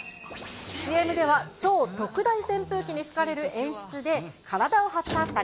ＣＭでは、超特大扇風機に吹かれる演出で、体を張った２人。